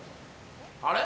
あれ？